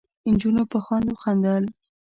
نجونو په خوند خندل.